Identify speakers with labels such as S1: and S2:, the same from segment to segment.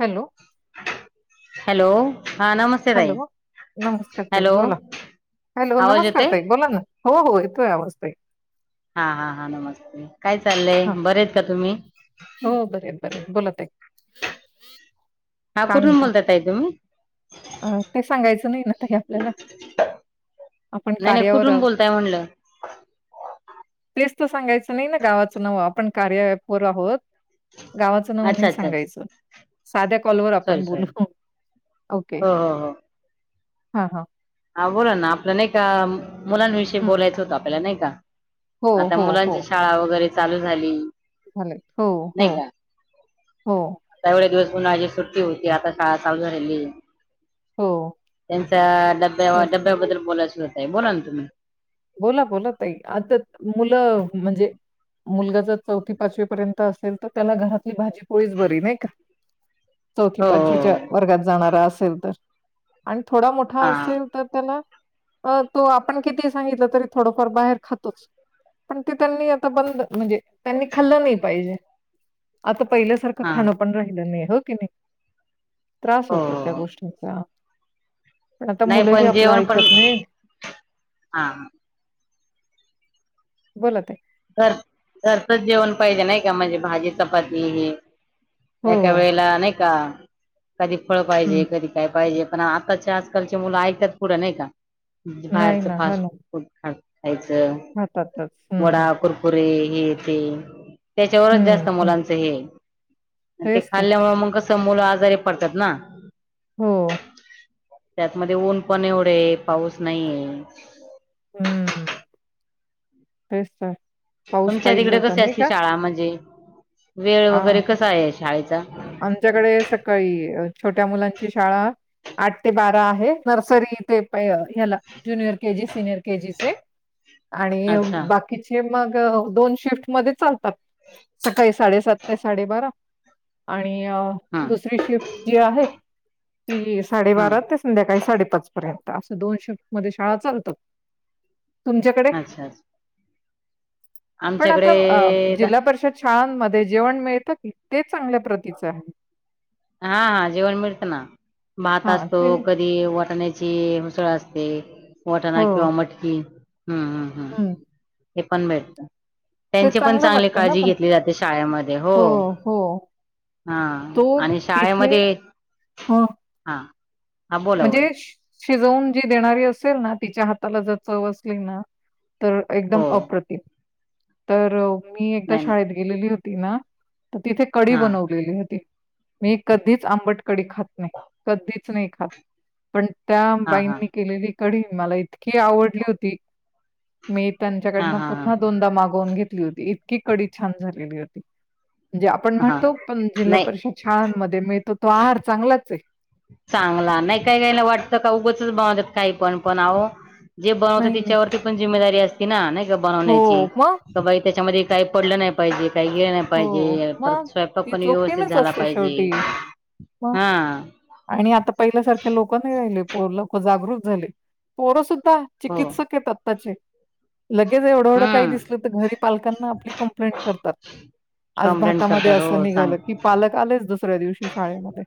S1: Hello.
S2: Hello. हा नमस्ते ताई
S1: हॅलो नमस्कार ताई,
S2: हॅलो
S1: बोला हॅलो
S2: आवाज
S1: नमस्कार
S2: येतोय
S1: ताई, बोला ना हो हो. नमस्ते.
S2: हा हा हा नमस्ते. काय चाललंय
S1: हां,
S2: बर आहेत का तुम्ही?
S1: हो बरे आहेत, बरे आहेत. बोला ताई.
S2: हा
S1: काय
S2: कुठून
S1: म्हणताय?
S2: बोलतात आ तुम्ही?
S1: अ ते सांगायचं नाही ना का आपल्याला आपण
S2: नाही नाही
S1: कार्यावर
S2: कुठून
S1: आहोत.
S2: बोलताय म्हणलं
S1: सांगायचं नाही ना गावाचं नवं आपण कार्य ॲप वर आहोत. गावाचं नाव
S2: अच्छा
S1: नाही
S2: अच्छा
S1: सांगायचं साध्या कॉलवरर आपण बोलू.
S2: ह हा हा.
S1: हा हा.
S2: ह बोला ना आपल्या नाही का मुलांविषयी
S1: हं.
S2: बोलायचं होत आपल्याला नाही का.
S1: हो,
S2: [inaudible] आता मुलांची शाळा वगैरे चालू झाली.
S1: झाले हो हो.
S2: नाही का
S1: हो.
S2: आता एवढे दिवस उन्हाळी सुट्टी होती आता शाळा चालू झालेली आहे.
S1: हो.
S2: त्यांचा डब्या
S1: तेच तर.
S2: डब्याबद्दल बोलायच होत. बोला ना तुम्ही.
S1: बोला बोला त आता मुलं म्हणजे. मुलगा जर चौथी पाचवी पर्यंत असेल तर त्याला घरात ती भाजी पोळीच बरी नाही का. चौथी
S2: हो हो
S1: पाचवीच्या
S2: हो
S1: वर्गात जाणारा असेल तर आणि थोडा मोठा
S2: हा
S1: असेल तर त्याला अ तू आपण किती ड बाहेर खो पण म्हणज त्यां खाल् नाही. पहिल्यासारखं
S2: हा
S1: खां
S2: हो
S1: पण राहि नाही. ओक नाही. त्रास होतो त्या
S2: हो हो
S1: गोष्टीचा पण आता
S2: नाही
S1: मुलंही
S2: पण
S1: आपलं ऐकत नाही.
S2: हां.
S1: बोलत आहे.
S2: घरच जेवण पाहिजे नाही का म्हणजे भाजी चपाती हे.
S1: हो
S2: एका वेळेला अनेक का? कधी फळ
S1: हं
S2: पाहिजे कधी काय पाहिजे. पण आताचे आजकालचे मुलं ऐकतात पुढे नाही का?
S1: नाही
S2: बाहेरचं
S1: ना हो
S2: फास्ट
S1: ना
S2: फूड ख यायच
S1: खातातच
S2: वडा.
S1: हं,
S2: पुरे हे तेे त्याच्यावरच
S1: हं,
S2: जास्त
S1: हं
S2: मुलांचं हे. ते
S1: तेच तर
S2: खाल्ल्यामुळे मग मुलं आजारी पडतात ना.
S1: हो.
S2: त्यातमध्ये ऊन पण एवढे पाऊस नाहीये
S1: हम्म तेच आहे.
S2: तुमच्या तिकडे कसे असली शाळा म्हणजे वेळ
S1: आ,
S2: वगैरे कसा आहे शाळेचा
S1: आमच्याकडे सकाळी छोट्या मुलांची शाळा आठ ते बारा आहे नर्सरी ते हला जुनियर केजी सिनियर केजीचे आणि
S2: अच्छा
S1: बाकीचे मग दोन शिफ्ट मध्ये चालतात सकाळी साडेसात ते साडेबारा आणि
S2: हा
S1: दुसरी शिफ्ट जी आहे. ती
S2: हा
S1: साडेबारा ते संध्याकाळी साडेपाच पर्यंत. असं दोन शिफ्ट मध्ये शाळा चालतात. तुमच्याकडे [inaudible]
S2: अच्छा अच्छा
S1: पण
S2: आमच्याकडे
S1: आता अ
S2: दा-
S1: जिल्हा परिषद शाळा जेवण मिळत की तेच
S2: [inaudible] हा हा जेवण मिळत ना भात
S1: हां,
S2: असतो
S1: ते
S2: कधी वाटण्या ची मीसळ असते. वटाणा
S1: हो.
S2: किंवा मटकी. हम्म, हम्,
S1: हं.
S2: हम्. हे पण भेटतं.
S1: ते
S2: त्यांची पण
S1: चांगलं
S2: चांगली
S1: लागतं ना
S2: काळजी
S1: पण.
S2: घेतली जाते शाळेमध्ये हो. हा
S1: तो
S2: आणि
S1: तिथे
S2: शाळेमध्ये
S1: ह
S2: हा हा बोला-बोला.
S1: शिजवून जी देणारी असेल ना तिच्या हाताला जर चव असली ना तर एकदम
S2: हो
S1: अप्रतिम [inaudible] तर मी एकदा
S2: नाही नाही
S1: शाळेत गेलेली हो ते ना. तर तिथे कडी
S2: हा
S1: बनवलेली होती. मी कधीच आंबट कडी खात नाही. कधीच सुनेखा. पण त्या
S2: हा हा
S1: बाईंनी केलेली कडी मला इतकी आवडली होती. [inaudible] मी
S2: हा
S1: त्यांच्याकडनं
S2: हा
S1: पुन्हा
S2: हा
S1: दोनदा मागवून घेतली होती. की कडी छान झालेली होती. म्हणजे आपण
S2: हा
S1: म्हणतो पण जिल्हा
S2: नाही
S1: परिषद शाळांमध्ये मिळतो. तो आहार चांगलाच आहे.
S2: चांगला नाही काहीकाहींना वाट का उघचच बघतातय काही पण आहो. जे बनवतं
S1: नाही, नाही.
S2: त्याच्यावरती पण जिमेदारी अस तेंना नाही. बनवन्याची
S1: हो, मग?
S2: क बाई त्याच्यामदे. काही पडलं नाही पाहिजे. काही [unintelligible]
S1: हो,
S2: पाहिजे
S1: मग
S2: परत स्वयंपाक
S1: ती
S2: पण व्यवस्थित
S1: जोखीमच
S2: झाला
S1: असते
S2: पाहिजे,
S1: शेवटी. मग
S2: हा‌.
S1: आणि आता पहिल्यासारख्या लोक नाही [unintelligible] जागृत झाले. पोर सु
S2: हो
S1: चिकितसिक आत्ताचे. लगेच एवढं एवढं काही
S2: हम्म
S1: दिसलं तर घरी पालकांना आपली कंप्लेंट करतात. आज
S2: कंप्लेंट
S1: भातामध्ये
S2: करतात
S1: असं
S2: हो सांग
S1: निघालं की पालक आलेच दुसऱ्या दिवशी शाळेमध्ये.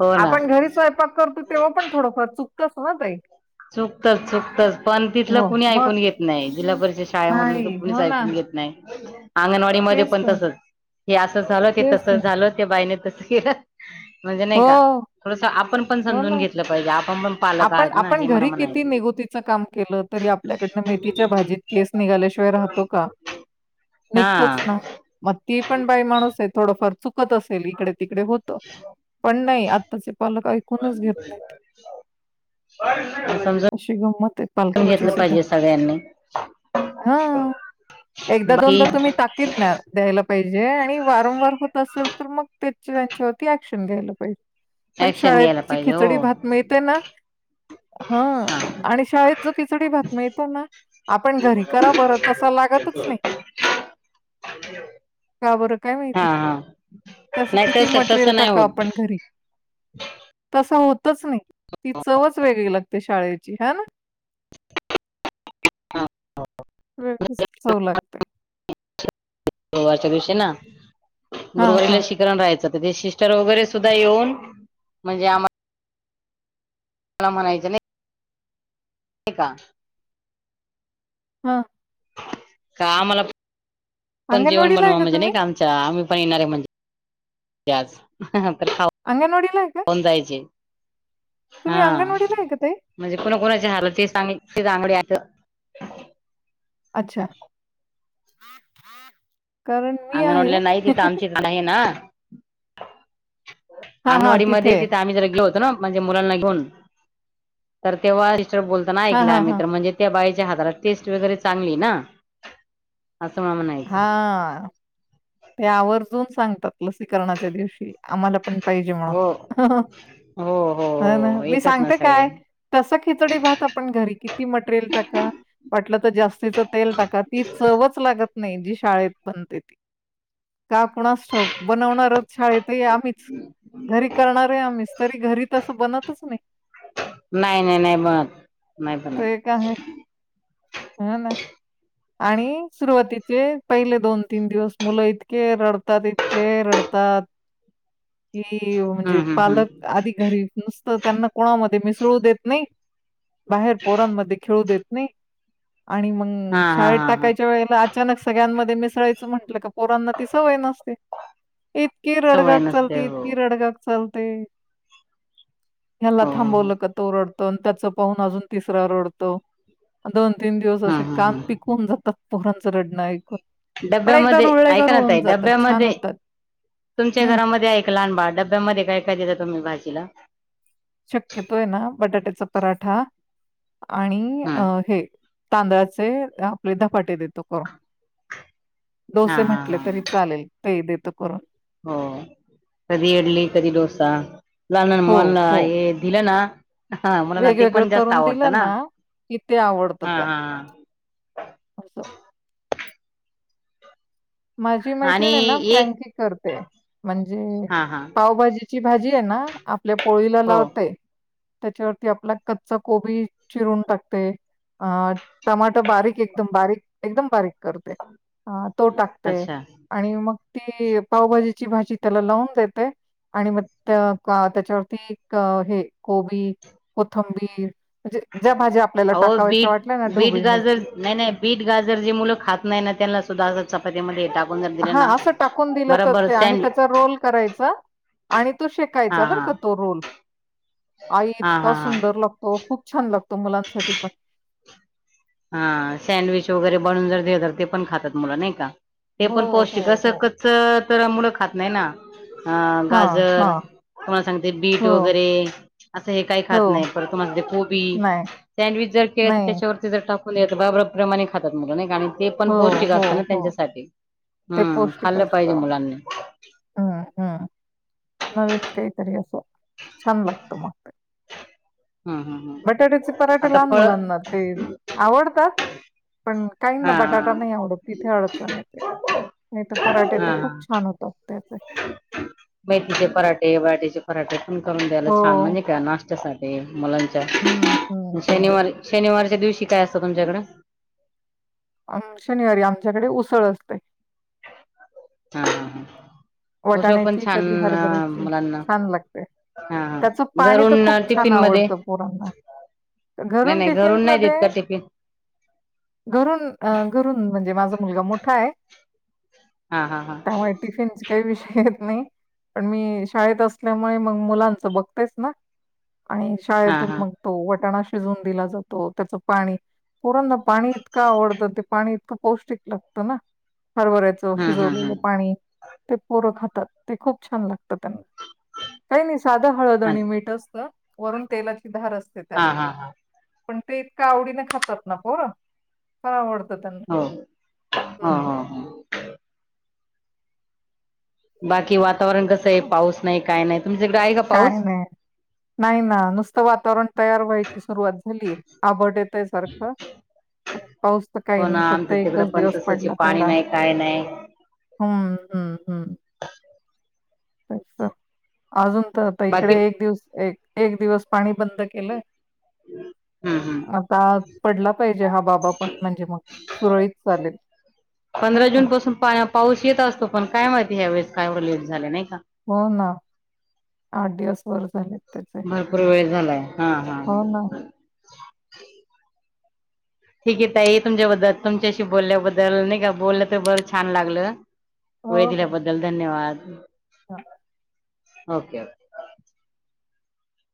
S2: हो
S1: [inaudible]
S2: ना
S1: आपण घरी स्वयंपाक करतो तेव्हा पण थोडफार चुक [unintelligible]
S2: चुकतच चुकतंच पण तिथलं कुणी
S1: मग
S2: ऐकून घेत नाही, जिल्हा परिषद शाळेमधलं तर
S1: नाही.
S2: कुणीच
S1: हो ना,
S2: ऐकून घेत नाही. [inaudible] अंगणवाडी मध्ये
S1: तेच
S2: पण
S1: तर.
S2: तसच हे असं झालं ते
S1: तेच
S2: तसं
S1: ना.
S2: झालं ते बायने तस केलं. म्हणजे नाही
S1: हो,
S2: का थोडसं आपण पण
S1: हो
S2: समजून
S1: ना.
S2: घेतलं पाहिजे आपण पण पालक
S1: आपण
S2: आहेत ना.
S1: आपण
S2: हे मला म्हणाय
S1: किती निगुतीच काम केलं तरी आपल्याकडन मेथीच्या भाजीत केस निघाल्याशिवाय राहतो का,
S2: हा
S1: निघतोच ना मग ती पण बाई माणूस आहे. थोडफार चु कत असेली. इकडे तिकडे होत, पण नाही आत्ताचे पालक ऐकूनच घेत नाहीत.
S2: समजून
S1: अशी गंमत आहे पालकांची
S2: घेतलं
S1: सुद्धा,
S2: पाहिजे सगळ्यांनी
S1: हा एकदा
S2: बाकी
S1: दोनदा तुम्ही ताकीद द्या द्यायला पाहिजे आणि वारंवार होत असेल तर मग ते त्यांच्यावरती ऍक्शन घ्यायलं पाहिजे. पण
S2: ऍक्शन घ्यायला
S1: शाळची
S2: पाहिजे
S1: खिचडी
S2: हो
S1: भात माह हा आणि शाळे [unintelligible] खिचडी भात मीळतो ना, आपण घरी करा बर तसं लागतच नाही, का बरं? काय माहिती,
S2: हा हा
S1: तस
S2: नाही
S1: किती मटेरियल
S2: तसं नाही
S1: टाका
S2: होत
S1: आपण घरी तस होत तच नाही. ती चवच वेगळी लागते. ते शाळेची ह ना? [unintelligible]
S2: [unintelligible]
S1: हां,
S2: गुरुवारी
S1: हां,
S2: लशीकरण राहायचं. ते सिस्टर वगैरे सुद्धा येऊन म्हणजे आम्हा मला म्हणायचं नाही का
S1: हम
S2: का आम्हाला पण जेवण
S1: अंगणवाडीला आहे
S2: बनवा म्हणजे नाही
S1: तुम्ही?
S2: का आमचा आम्ही पण येणारे म्हणजेज ह तर खा
S1: अंगणवाडीला आहे का?
S2: खाऊन जायचे हा
S1: तुम्ही अंगणवाडीला आहे का ताई?
S2: म्हणजे कोणा कोणाची हालत तेच आणि [unintelligible]
S1: अच्छा कारण मी आहे
S2: अंगणवाडल्या नाही तिथं आमची नाही ना
S1: हां, हां,
S2: अंगवाडी
S1: तिथे
S2: मध्ये
S1: आहे.
S2: तिथं आम्ही जरा गलोतो म्हणजे मुलांना घेऊन तर तेव्हा बोलताना
S1: हां,
S2: ऐकलाय
S1: हां,
S2: आम्ही
S1: हां.
S2: तर म्हणजे त्या बाई टेस्ट वगैरे चांगली ना असं मला म्हणायचं
S1: हां, ते आवर्जून सांगतात लसीकरणाच्या दिवशी आम्हाला पण पाहिजे
S2: हो
S1: म्हणून
S2: हो हो
S1: ह ना
S2: हो
S1: मी
S2: येतात ना
S1: सांगते
S2: सगळे
S1: काय तस खिचडी भात त आपण घरी किती मटेरियल टाका वाटलं तर जास्त तेल टाकत ती चवच लागत नाही जी शाळेत बनते ती का कुणास ठव बनवणारच शाळेत आहे आम्हीच घरी करणार आहे आम्हीच तरी घरी तसं बनतच नाही
S2: नाही नाही नाही बनत नाही बनत
S1: हा ना आणि सुरुवातीचे पहिले दोन तीन दिवस मुलं इतके रडतात इतके रडतात ह म्हणजे
S2: हम्म हम्म हम्म
S1: पालक आधी घरी नुसते त्यांना कोणामध्ये मिसळू देत नाही बाहेर पोरांमध्ये खेळू देत नाही आणि मग
S2: हा हा
S1: शाळेत
S2: हा हा
S1: टाकायच्या वेळेला आ अचानक सगळ्यांमध्ये मिसळायचं म्हटलं का पोरांना ती सवय नसते इतकी
S2: सवय
S1: रडगाग
S2: नसते
S1: चालते
S2: हो
S1: इतकी रडगाग चाल ते हला
S2: हो
S1: थांबवलं का तोरडत त त्याचह अजून त रडतो दोन तीन दिवस
S2: हा
S1: असे
S2: हा
S1: कान
S2: हा
S1: पिकवून जातात पोहरांचं रडण
S2: डब्यामध्ये ऐका ना त
S1: जातात, छान
S2: डब्यामध्ये
S1: होतात.
S2: तुमच्या
S1: हं,
S2: घरामध्ये आहे लहान बा डब्यामध्ये काय काय देता तुम्ही भाजीला
S1: स पराठा आणि अ
S2: हम्म
S1: हे तांदळाचे आपले धपाटे देतो करून
S2: हा
S1: डोसे
S2: हा
S1: म्हंटले
S2: हा
S1: तरी चालेल ते देतो करून
S2: हो कधी इडली कधी डोसा लाल ना
S1: हो,
S2: मनला
S1: हो.
S2: हे दिलं ना हा मुलांना ते
S1: वेगवेगळं
S2: पण जास्त
S1: करून
S2: आवडतं
S1: दिलं ना किथ आवडत
S2: हा हा
S1: त्यांना
S2: हा
S1: अस माझी
S2: आणि
S1: मैत्रिण ना
S2: एक
S1: फ्रँकी करते म्हणजे
S2: हा हा
S1: पावभाजीची भाजी आहे ना आपल्या पोळीला
S2: हो
S1: लावते त्याच्यावरती आपला कच्चा कोबी चिरून टाकते अ टमाट बारीक एकदम बारीक एकदम बारीक ते तो टाक
S2: अच्छा
S1: आणि मग ती पावभाजीची भाजी त्याला लावून देते आणि मग त्याच्यावरती हे गोबी कोथंबीर ह [inaudible]
S2: हो बीट
S1: ना,
S2: बीट
S1: ढोबळी मिरची
S2: गाजर नाही नाही बीट गाजर जे मुलं खात नाही ना त्यांना सुद्धा असं चपतीमध्ये य
S1: हा असं टाकून दिलं तर ते आणि
S2: सँड
S1: त्याचा रोल करायचा आणि तो
S2: हा
S1: शेकायचा बर
S2: हा
S1: का तो रोल आई
S2: हा
S1: इतका
S2: हा
S1: सुंदर लागतो खूप छान लागतो तो मुलांसाठी पण
S2: हा सँडविच वगैरे बनून जर घ तर ते पण खातात मुला नाही का हे
S1: हो,
S2: पण पौष्टिक
S1: हो,
S2: अस
S1: हो.
S2: कच तरमुळ हात नाही ना अ
S1: हां,
S2: गाजर
S1: हां.
S2: तुम्हाला सांगते बीट
S1: हो,
S2: वगैरे असं हे काही खात नाही
S1: हो.
S2: पर तुम्हाला कोबी
S1: नाही,
S2: सँडविच जर केलं तर
S1: नाही.
S2: त्याच्यावर दाव येत बप्रमाणे खातात मुलं नाही गणी ते पण
S1: हो,
S2: पौष्टिक
S1: हो,
S2: असत ना
S1: हो.
S2: त्यांच्यासाठी
S1: ते
S2: हम्म
S1: पौष्टिक
S2: खाल्लं पाहिजे
S1: असतं.
S2: मुलांनी
S1: हं, हं. नवीन काहीतरी असं छान लागतो मग ते
S2: हम्म हम्म हम्म
S1: बटाट्याचे पराठे
S2: आता
S1: लहान
S2: फळ
S1: मुलांना ते आवडतात पण काहीना
S2: हा
S1: बटाटा नाही आवडत तिथे अडचण येते नाही तर पराटे तर
S2: हा हा
S1: खूप छान होत त्याच
S2: मेथीचे पराठे, बटाट्याचे पराठे करून द्यायला
S1: हो.
S2: छान म्हणजे का नाश्त्यासाठी मुलांच्या
S1: हं, हं, हं.
S2: शनिवारी शनिवारी च्या दिवशी काय असतं तुमच्याकडे?
S1: शनिवारी आमच्याकडे उसळ असते.
S2: हा हा. उसळ पण
S1: वटाण्याची
S2: छान
S1: कधी हरभऱ्याची
S2: मुलांना
S1: छान लागते,
S2: हा हा
S1: त्याच पाणी तर
S2: घरून
S1: खूप छान
S2: टिफिन मध्ये
S1: आवडतं पोरांना
S2: नाही
S1: घरून
S2: नाही
S1: टिफिन
S2: नाही देत
S1: मध्ये
S2: का टिफिन
S1: घरून घरून म्हणजे माझ मुलगा मोठा आहे.
S2: हा हा हा.
S1: त्यामुळे टिफिनचे काही विषय येत नाही, पण मी शाळेत असल्यामुळे मग मुलांच बघतयच ना आणि
S2: हा
S1: शाळेतून
S2: हा
S1: मग तो वटाणा शिजून दिला जातो त्याच पाणी पोरांना ना पाणी इतकं आवडतं ते पाणी इतकं पौष्टिक लागतं ना हरभऱ्याचं
S2: हम्म हम्म
S1: शिजवलेलं
S2: हम्म
S1: पाणी ते पोरं खातात ते खूप छान लागत. त्यांना काही नाही साधं
S2: अ
S1: हळदणी मिट असत वरून तेलाची धार असते
S2: हा
S1: त्याला
S2: हा हा
S1: पण ते इतक आवडीने खातात ना पोर फार आवडतं. त्यांना
S2: हो हो हो हो बाकी वाता वरण कसं आहे पाऊस नाही काय नाही. तुमच्याकडे आहे का
S1: काय
S2: पाऊस
S1: नाही, नाही ना नुसतं वातावरण तयार व्हायची सुरुवात झालीय आबट येतय सारखं [inaudible] पाऊस तर काही
S2: हो ना
S1: नाही फक्त
S2: आमचं
S1: एकच
S2: तिकडं पण
S1: दिवस
S2: तसच आहे
S1: पडला
S2: पाणी
S1: तेवढा
S2: नाही काय नाही
S1: हम्म हम्म हम्म. अच्छा अजून इकडे
S2: बाकी
S1: एक दिवस एक एक दिवस पाणी बंद केलंय.
S2: हम्म हम्म
S1: आता पडला पाहिजे, हा बाबा पण म्हणजे मग सुरळीत चालेल नाही
S2: पंधरा
S1: का.
S2: जून पासून पा पाऊस येत असतो पण काय माहितीय या वेळेस का एवढ लेट झालं नाही का.
S1: हो ना आठ दिवसवर झालेत. त्याचे
S2: भरपूर वेळ झालाय हा हा.
S1: हो ना
S2: ठीक आहे ताई तुमच्याबद्दल तुमच्याशी बोलल्याबद्दल नाही का बोललं तर बरं छान लागलं. वेळ दिल्याबद्दल धन्यवाद. [inaudible]
S1: हा.
S2: Okay okay.